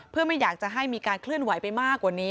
เพื่อไม่อยากจะให้มีการเคลื่อนไหวไปมากกว่านี้